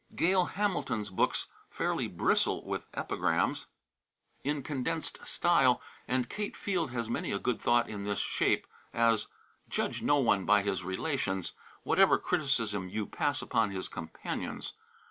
Gail Hamilton's books fairly bristle with epigrams in condensed style, and Kate Field has many a good thought in this shape, as: "Judge no one by his relations, whatever criticism you pass upon his companions.